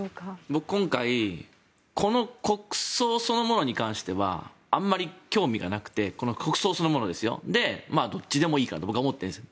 僕、今回この国葬そのものに関してはあまり興味がなくてこの国葬そのものですよ。どっちでもいいかと僕は思ってるんです。